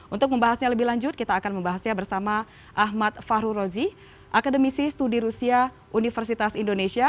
untuk membahasnya lebih lanjut kita akan membahasnya bersama ahmad fahru rozi akademisi studi rusia universitas indonesia